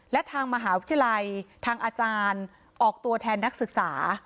และทางมหาวิทยาลัยทางอาจารย์ออกตัวแทนนักศึกษา